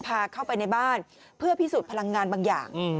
พาเข้าไปในบ้านเพื่อพิสูจน์พลังงานบางอย่าง